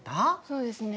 そうですね。